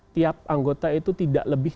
tiap anggota itu tidak lebih